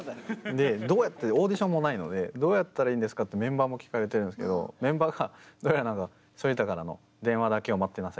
でどうやってオーディションもないのでどうやったらいいんですか？ってメンバーも聞かれてるんですけどメンバーがどうやらなんか秘密結社みたいな。